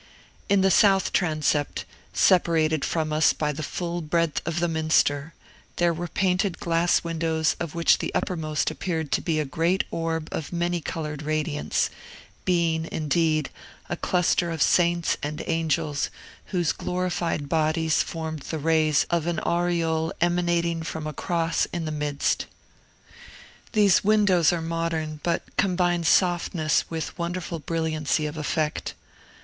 In the south transept, separated from us by the full breadth of the minster, there were painted glass windows of which the uppermost appeared to be a great orb of many colored radiance, being, indeed, a cluster of saints and angels whose glorified bodies formed the rays of an aureole emanating from a cross in the midst. These windows are modern, but combine softness with wonderful brilliancy of effect.